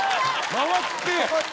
回って。